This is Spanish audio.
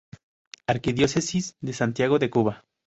Arquidiócesis de Santiago de Cuba.